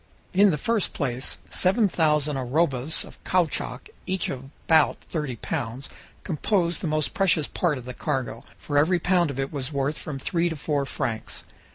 In the first place, seven thousand arrobas of caoutchouc, each of about thirty pounds, composed the most precious part of the cargo, for every pound of it was worth from three to four francs.